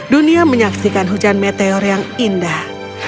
dunia menyaksikan hujan meteor yang indah